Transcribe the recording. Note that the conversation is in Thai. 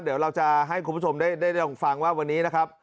เดี๋ยวเราจะให้คุณผู้ชมได้ฟังว่าวันนี้นะครับ